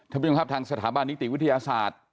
ท่านผู้ชมครับทางสถาบันนิติวิทยาศาสตร์